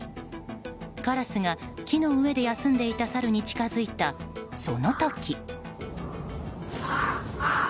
カラスが木の上で休んでいたサルに近づいたその時。